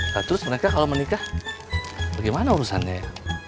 nah terus mereka kalau menikah bagaimana urusannya ya